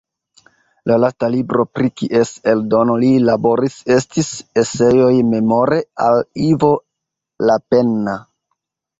La lasta libro pri kies eldono li laboris estis "Eseoj Memore al Ivo Lapenna".